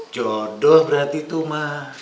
jodoh berarti tuh mah